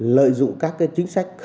lợi dụng các chính sách